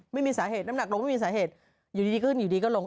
ไม่มีสาเหตุน้ำหนักลงไม่มีสาเหตุอยู่ดีขึ้นอยู่ดีก็ลง